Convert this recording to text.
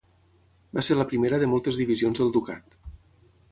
Va ser la primera de moltes divisions del ducat.